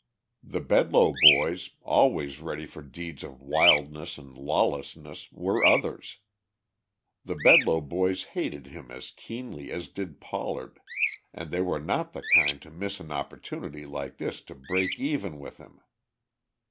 The Bedloe boys, always ready for deeds of wildness and lawlessness, were others. The Bedloe boys hated him as keenly as did Pollard, and they were not the kind to miss an opportunity like this to "break even" with him.